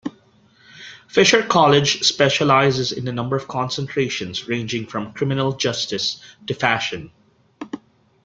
Fisher College specializes in a number of concentrations ranging from Criminal justice to Fashion.